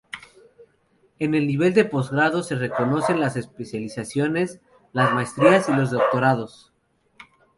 En el nivel de postgrado se reconocen las especializaciones, las maestrías y los doctorados.